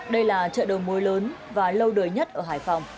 đây là chợ đầu mối lớn và lâu đời nhất ở hải phòng